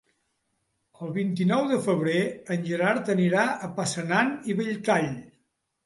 El vint-i-nou de febrer en Gerard anirà a Passanant i Belltall.